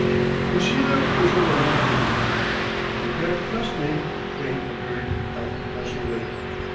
"Monsieur is a romantic." "You can't trust me," Crane averred unblushingly.